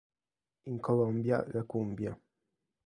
In Colombia la cumbia.